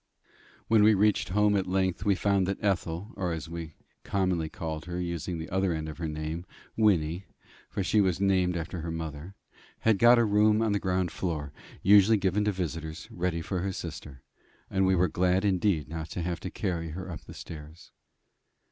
When we reached home at length, we found that Ethel, or, as we commonly called her, using the other end of her name, Wynnie for she was named after her mother had got a room on the ground floor, usually given to visitors, ready for her sister; and we were glad indeed not to have to carry her up the stairs.